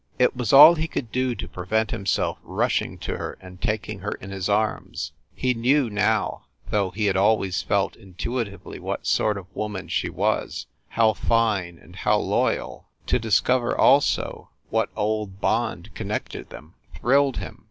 It was all he could do to prevent himself rushing to her and taking her in his arms. He knew now, though he had always felt intuitively what sort of woman she was, how fine and how loyal. To dis cover, also, what old bond connected them thrilled him.